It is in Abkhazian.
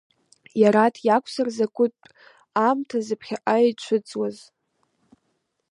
Иараҭ иакәзар закәытә аамҭази ԥхьаҟа ицәыӡуаз?!